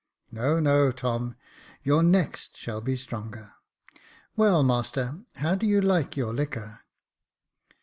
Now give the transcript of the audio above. No, no, Tom ; your next shall be stronger. Well, master, how do you like your liquor